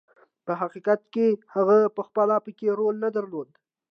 په حقیقت کې هغه پخپله پکې رول نه درلود.